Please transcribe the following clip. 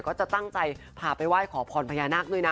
ก็จะตั้งใจพาไปไหว้ขอพรพญานาคด้วยนะ